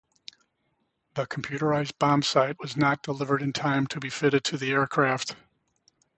The computerized bombsight was not delivered in time to be fitted to the aircraft.